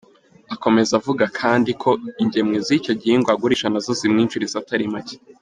Akomeza avuga kandi ko, ingemwe z’icyo gihingwa agurisha, nazo zimwinjiriza atari make.